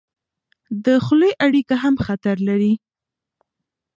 د خولې اړیکه هم خطر لري.